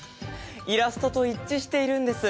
イラストと一致しているんです